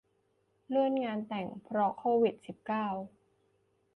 เลื่อนงานแต่ง เพราะโควิด สิบเก้า